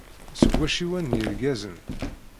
Seg wacciwen n yizgaren.